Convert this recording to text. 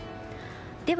では